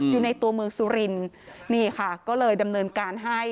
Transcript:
อยู่ในตัวเมืองสุรินนี่ค่ะก็เลยดำเนินการให้